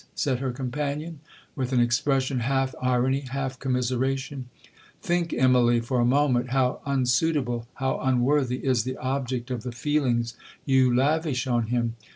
said her companion, with an expression half irony, half commiseration. 'Think, Immalee, for a moment, how unsuitable, how unworthy, is the object of the feelings you lavish on him.